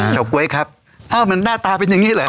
โชว์เก๊อยครับเอ้ามันหน้าตาเป็นยังงี้ละ